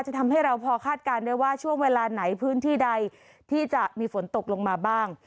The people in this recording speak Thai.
ทำให้เราพอคาดการณ์ได้ว่าช่วงเวลาไหนพื้นที่ใดที่จะมีฝนตกลงมาบ้าง